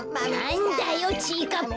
なんだよちぃかっぱ。